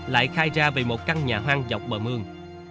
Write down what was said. lại khai ra về một căn nhà hoang dọc bờ mương